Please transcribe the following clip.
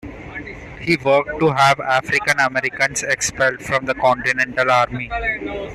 He worked to have African Americans expelled from the Continental Army.